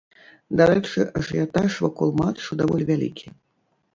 Дарэчы, ажыятаж вакол матчу даволі вялікі.